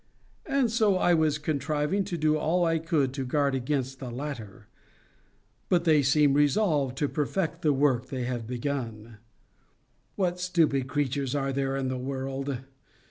And so I was contriving to do all I could to guard against the latter. But they seem resolved to perfect the work they have begun. What stupid creatures are there in the world!